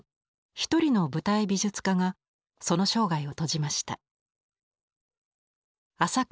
一人の舞台美術家がその生涯を閉じました。